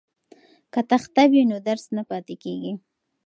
که تخته وي نو درس نه پاتې کیږي.